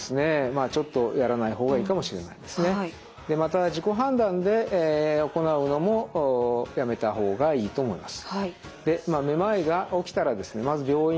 また自己判断で行うのもやめた方がいいと思います。